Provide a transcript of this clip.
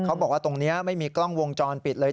เขาบอกว่าตรงนี้ไม่มีกล้องวงจรปิดเลย